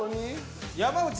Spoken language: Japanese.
山内。